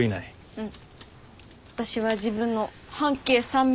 うん。